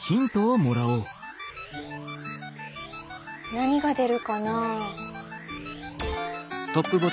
何が出るかな。